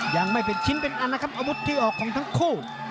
ยังไม่เป็นชิ้นเป็นอันนะครับอาวุธที่ออกของทั้งคู่